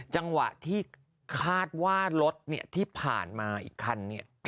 จังหวะที่คาดว่ารถที่ผ่านมาอีกคัน